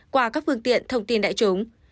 qua các phương tiện thông tin đại chúng